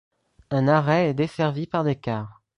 Un arrêt est desservi par des cars.